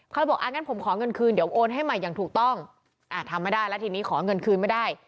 เขาเลยบอกอ่างั้นผมขอเงินคืนเดี๋ยวโอนให้ใหม่อย่างถูกต้องทำไม่ได้แล้วทีนี้ขอเงินคืนไม่ได้